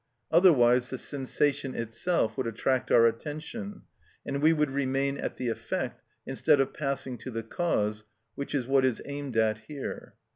Otherwise the sensation itself would attract our attention, and we would remain at the effect instead of passing to the cause, which is what is aimed at here.